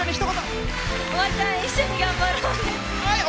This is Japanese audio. おばあちゃん、一緒に頑張ろうね！